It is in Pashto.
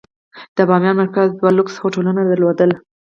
د بامیان مرکز دوه لوکس هوټلونه درلودل.